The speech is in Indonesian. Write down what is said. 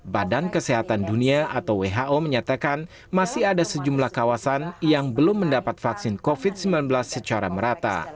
badan kesehatan dunia atau who menyatakan masih ada sejumlah kawasan yang belum mendapat vaksin covid sembilan belas secara merata